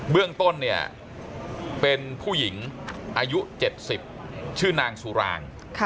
เรื่องต้นเนี่ยเป็นผู้หญิงอายุ๗๐ชื่อนางสุราง